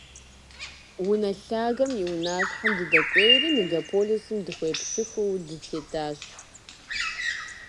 Унэ лъагэм и унащхьэм дыдэкӏуейри, мегаполисым дыхуеплъыхыу дытетащ.